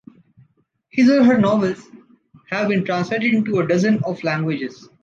His/her novels have been translated into a dozen of languages.